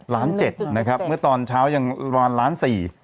ล้านเจ็ดนะครับเมื่อตอนเช้ายังประมาณล้านสี่